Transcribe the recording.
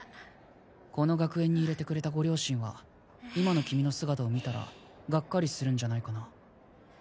この学園に入れてくれたご両親は今のキミの姿を見たらがっかりするんじゃないかな。